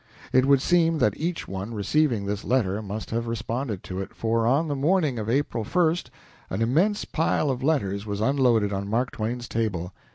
It would seem that each one receiving this letter must have responded to it, for on the morning of April 1st an immense pile of letters was unloaded on Mark Twain's table.